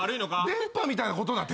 電波みたいなことなん？